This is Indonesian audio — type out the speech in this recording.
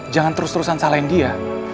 jangan terus terusan salahin dia